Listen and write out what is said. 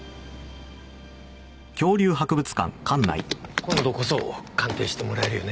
今度こそ鑑定してもらえるよね？